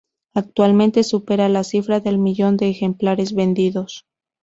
Actualmente supera la cifra del millón de ejemplares vendidos.